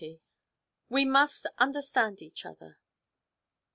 'WE MUST UNDERSTAND EACH OTHER.'